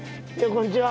こんにちは。